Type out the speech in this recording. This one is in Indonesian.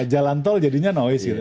jalan tol jadinya noise gitu